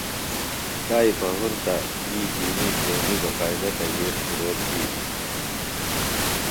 تائی پہُرتہ تی دینی اِسلامی باقائدہ تبلیغ شِرو تِھلیۡ.